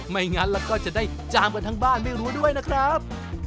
งั้นแล้วก็จะได้จามกันทั้งบ้านไม่รู้ด้วยนะครับ